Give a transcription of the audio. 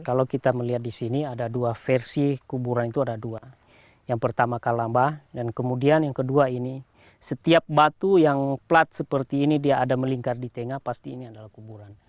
kalau kita melihat di sini ada dua versi kuburan itu ada dua yang pertama kalambah dan kemudian yang kedua ini setiap batu yang plat seperti ini dia ada melingkar di tengah pasti ini adalah kuburan